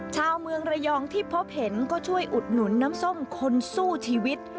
ชาวเมืองระยองที่พบเห็นก็ช่วยอุดหนุนน้ำส้มคนสู้ชีวิต